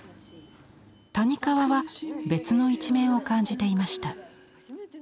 谷川は別の一面を感じていました。